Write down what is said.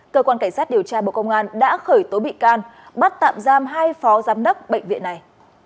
cơ quan cảnh sát điều tra bộ công an đã khởi tố bị can bắt tạm giam hai phó giám đốc bệnh viện này